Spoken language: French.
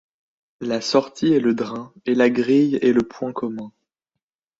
La sortie est le drain et la grille est le point commun.